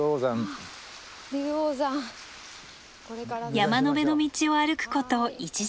山の辺の道を歩くこと１時間半